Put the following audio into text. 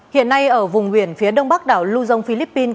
hiện nay ở vùng huyền phía đông bắc đảo lưu dông philippines